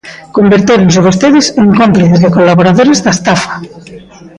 Convertéronse vostedes en cómplices e colaboradores da estafa.